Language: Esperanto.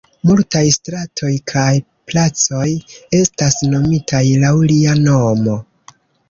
Multaj stratoj kaj placoj estas nomitaj laŭ lia nomo.